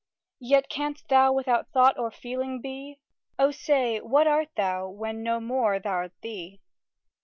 Yet canst thou without thought or feeling be? O say what art thou, when no more thou'rt thee?